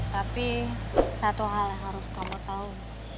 tapi satu hal yang harus kamu tahu